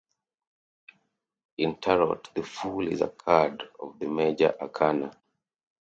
In Tarot, "The Fool" is a card of the Major Arcana.